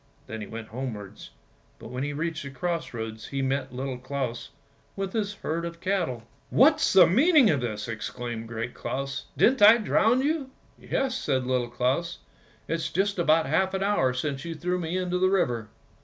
" Then he went homewards, but when he reached the crossroads he met Little Claus with his herd of cattle " What's the meaning of this! " exclaimed Great Claus; " didn't I drown you? "' Yes," said little Claus, " it's just about half an hour since you threw me into the river!